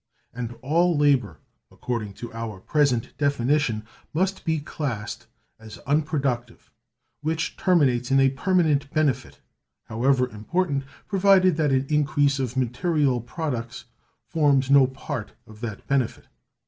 And all labor, according to our present definition, must be classed as unproductive, which terminates in a permanent benefit, however important, provided that an increase of material products forms no part of that benefit.